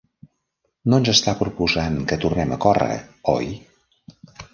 No ens està proposant que tornem a córrer, oi?